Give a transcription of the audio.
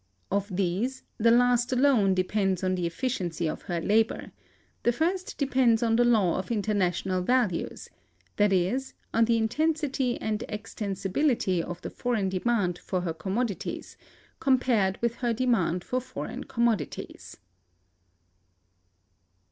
Of these, the last alone depends on the efficiency of her labor; the first depends on the law of international values; that is, on the intensity and extensibility of the foreign demand for her commodities, compared with her demand for foreign commodities.